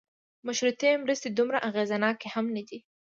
مشروطې مرستې دومره اغېزناکې هم نه دي.